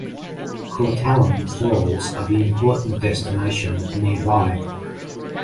Courtallam falls are the important destination nearby.